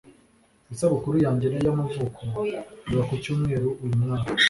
Isabukuru yanjye y'amavuko iba ku cyumweru uyu mwaka.